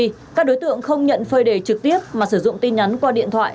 trong đường dây các đối tượng không nhận phơi đề trực tiếp mà sử dụng tin nhắn qua điện thoại